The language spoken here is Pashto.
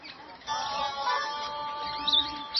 په ذهن کي ګرځېدلې خبري ولیکه.